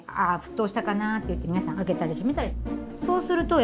ああ沸騰したかなって言って皆さん開けたり閉めたりする。